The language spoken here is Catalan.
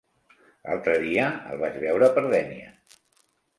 L'altre dia el vaig veure per Dénia.